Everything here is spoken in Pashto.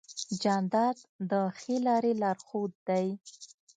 جانداد د ښې لارې لارښود دی.